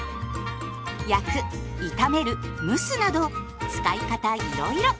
焼く炒める蒸すなど使い方いろいろ。